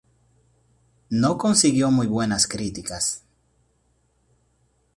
No consiguió muy buenas críticas.